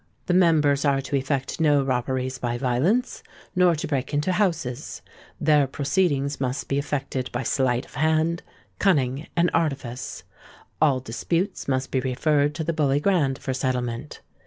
The members are to effect no robberies by violence, nor to break into houses: their proceedings must be effected by sleight of hand, cunning, and artifice. All disputes must be referred to the Bully Grand for settlement.